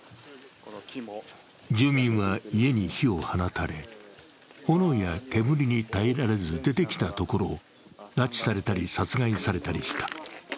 住民は家に火を放たれ炎や煙に耐えられず出てきたところを拉致されたり殺害されたりした。